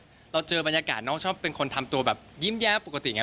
เราเจอบรรยากาศน้องชอบเป็นคนทำตัวแบบยิ้มแย้มปกติอย่างนี้